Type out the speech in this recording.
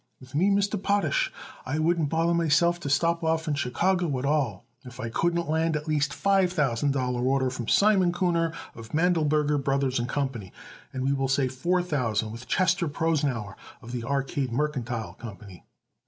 With me, Mr. Potash, I wouldn't bother myself to stop off in Chicago at all if I couldn't land at least a five thousand dollar order from Simon Kuhner, of Mandleberger Brothers & Co., and we will say four thousand with Chester Prosnauer, of the Arcade Mercantile Company."